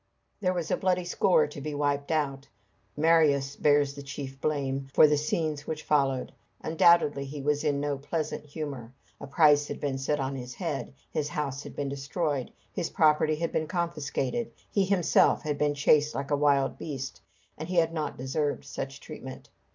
There was a bloody score to be wiped out. Marius bears the chief blame for the scenes which followed. Undoubtedly he was in no pleasant humor. A price had been set on his head, his house had been destroyed, his property had been confiscated, he himself had been chased like a wild beast, and he had not deserved such treatment.